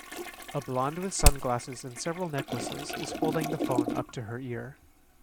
A blond with sunglasses and several necklaces is holding the phone up to her ear.